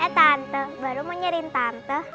eh tante baru mau nyerin tante